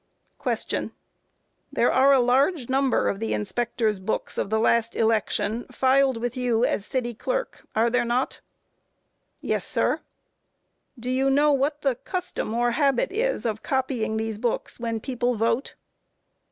Q. There are a large number of the inspectors' books of the last election filed with you as City Clerk, are there not? A. Yes, sir. Q. Do you know what the custom or habit is of copying these books when people vote?